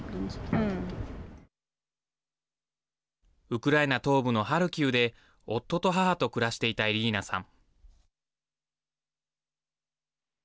ウクライナ東部のハルキウで夫と母と暮らしていたイリーナさん。